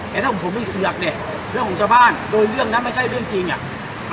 แต่ถ้าผมไม่เสือกเนี่ยเรื่องของชาวบ้านโดยเรื่องนั้นไม่ใช่เรื่องจริงอ่ะ